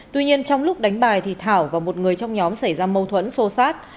tuy nhiên trong lúc đánh bài thì thảo và một người trong nhóm xảy ra mâu thuẫn sô sát